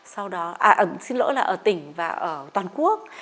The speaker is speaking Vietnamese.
xin lỗi là ở tỉnh và ở toàn quốc